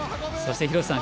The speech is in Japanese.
廣瀬さん